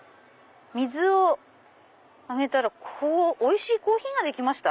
「水をあげたら美味しいコーヒーができました」？